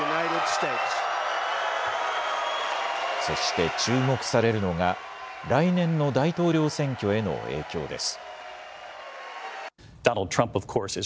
そして注目されるのが、来年の大統領選挙への影響です。